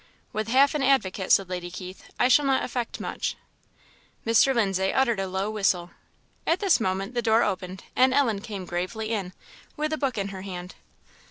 "With half an advocate," said Lady Keith, "I shall not effect much." Mr. Lindsay uttered a low whistle. At this moment the door opened, and Ellen came gravely in, with a book in her hand.